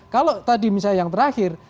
kalau tadi misalnya yang terakhir